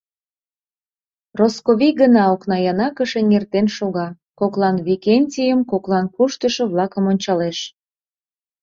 Росковий гына окнаянакыш эҥертен шога, коклан Викентийым, коклан куштышо-влакым ончалеш.